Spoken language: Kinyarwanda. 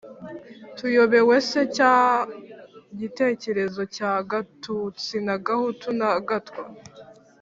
tuyobewe se cya gitekerezo cya gatutsi na gahutu, na gatwa?